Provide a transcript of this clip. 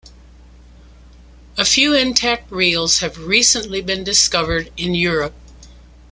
A few intact reels have recently been discovered in Europe.